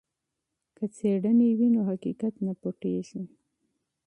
که مشاهده وي نو حقیقت نه پټیږي.